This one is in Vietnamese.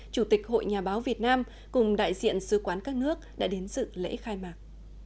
chủ tịch hội nhà báo việt nam cùng đại diện sứ quán các nước đã đến dự lễ khai mạc